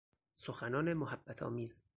سخنان محبت آمیز